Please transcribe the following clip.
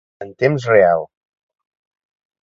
En temps real.